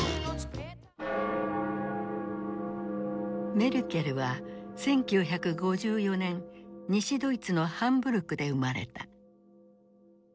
メルケルは１９５４年西ドイツのハンブルクで生まれた。